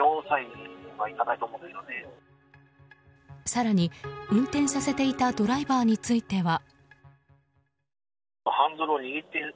更に、運転させていたドライバーについては。